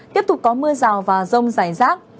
tiếp tục có mưa rào và rông rải rác